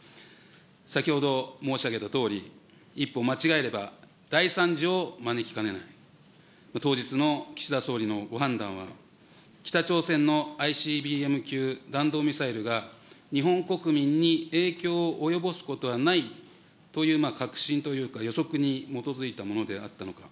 先ほど申し上げたとおり、一歩間違えれば、大惨事を招きかねない、当日の岸田総理のご判断は北朝鮮のＩＣＢＭ級弾道ミサイルが、日本国民に影響を及ぼすことはないという確信というか、予測に基づいたものであったのか。